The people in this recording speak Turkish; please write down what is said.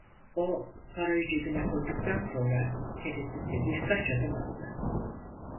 O, parayı cebine koyduktan sonra tereddütle birkaç adım attı.